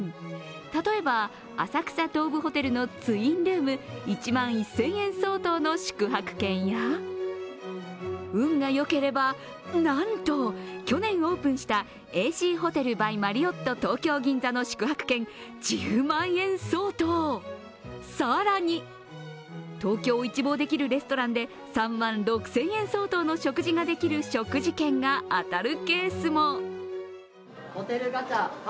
例えば浅草東武ホテルのツインルーム１万１０００円相当の宿泊券や運がよければ、なんと去年オープンしたＡＣホテル・バイ・マリオット東京銀座の宿泊券１０万円相当、更に、東京を一望できるレストランで３万６０００円相当の食事ができる食事券が当たるケースも。